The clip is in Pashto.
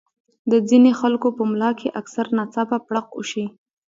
د ځينې خلکو پۀ ملا کښې اکثر ناڅاپه پړق اوشي